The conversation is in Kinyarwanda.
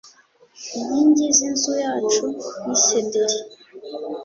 Inkingi z’inzu yacu ni sederi,